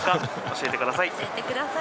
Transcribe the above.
教えてください。